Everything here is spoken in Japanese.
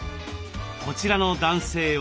こちらの男性は？